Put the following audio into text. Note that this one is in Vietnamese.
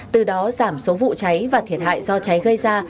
từ đó giảm số vụ cháy và thiệt hại do cháy gây ra